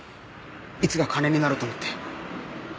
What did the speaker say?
いつか金になると思って。